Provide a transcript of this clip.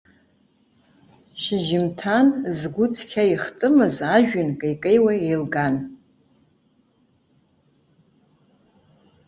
Шьыжьымҭан згәы цқьа ихтымыз ажәҩан кеикеиуа еилган.